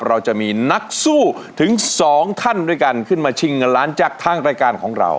เราจะมีนักสู้ถึงสองท่านด้วยกันขึ้นมาชิงเงินล้านจากทางรายการของเรา